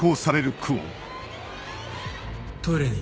トイレに。